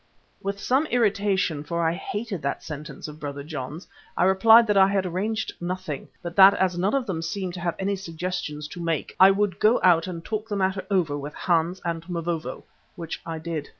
With some irritation, for I hated that sentence of Brother John's, I replied that I had arranged nothing, but that as none of them seemed to have any suggestions to make, I would go out and talk the matter over with Hans and Mavovo, which I did.